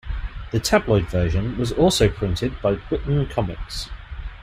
The tabloid version was also printed by Whitman Comics.